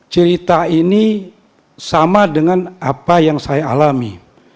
cerita ini sama dengan apa yang saya alami